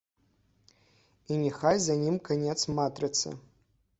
І няхай за ім канец матрыцы.